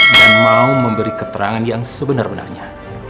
dan mau memberi keterangan yang sebenar benarnya